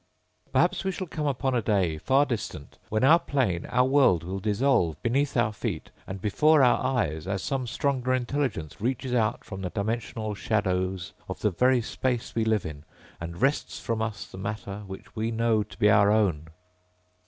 _Perhaps we shall come upon a day, far distant, when our plane, our world will dissolve beneath our feet and before our eyes as some stronger intelligence reaches out from the dimensional shadows of the very space we live in and wrests from us the matter which we know to be our own.